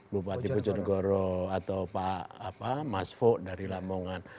bupati bu jodogoro atau mas vuk dari lamongan